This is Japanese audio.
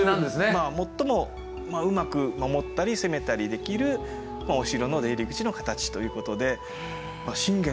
まあ最もうまく守ったり攻めたりできるお城の出入り口の形ということでさあ